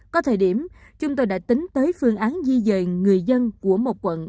có thời điểm chúng tôi đã tính tới phương án di dời người dân của một quận